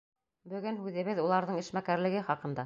Бөгөн һүҙебеҙ — уларҙың эшмәкәрлеге хаҡында.